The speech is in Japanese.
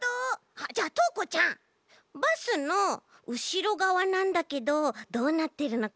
あっじゃあとうこちゃんバスのうしろがわなんだけどどうなってるのかな？